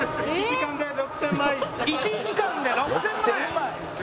１時間で６０００枚！？